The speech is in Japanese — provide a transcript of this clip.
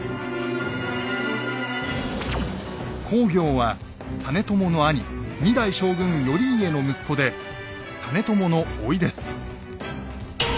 公暁は実朝の兄２代将軍頼家の息子で実朝のおいです。